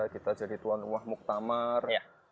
kita jadi tuan rumah muktamar